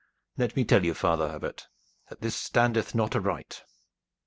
Let me tell you, father Abbot, that this standeth not aright.